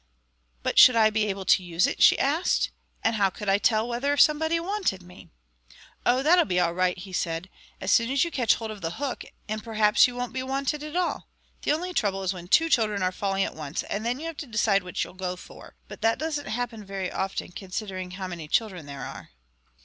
"But should I be able to use it?" she asked. "And how could I tell whether somebody wanted me?" "Oh, that'll be all right," he said, "as soon as you catch hold of the hook; and perhaps you won't be wanted at all. The only trouble is when two children are falling at once, and then you have to decide which you'll go for. But that doesn't happen very often, considering how many children there are."